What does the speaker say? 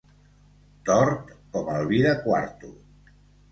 Tort com el vi de quarto.